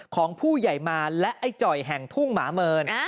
ของผู้ใหญ่มารและไอ้จ่อยแห่งทุ่งหมาเมิน